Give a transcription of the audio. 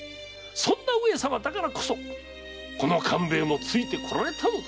そんな上様だからこそこの官兵衛も付いてこられたのだ。